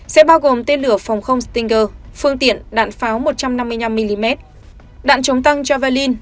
sẽ bao gồm tên lửa phòng không stinger phương tiện đạn pháo một trăm năm mươi năm mm đạn chống tăng cho valin